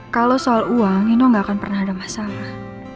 kalau soal uang nino gak akan pernah ada masalah